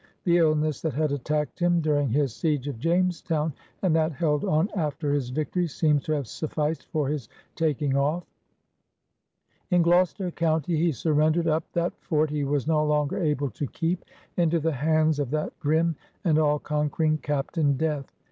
The illness that had attacked him during his siege of Jamestown and that held on after his victory seems to have sufficed for his taking oflf . In Gloucester County he " surrendered up that fort he was no longer able to keep, into the hands of that grim and aUK^nquermg Captaine Death."